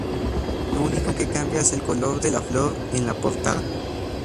Lo único que cambia es el color de la flor en la portada.